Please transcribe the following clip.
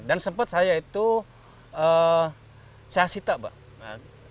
dan sempat saya itu saya sita pak